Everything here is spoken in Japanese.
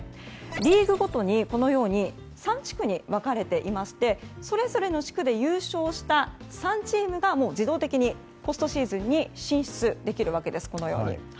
リーグごとに３地区に分かれていましてそれぞれの地区で優勝した３チームが自動的にポストシーズンに進出できるわけです。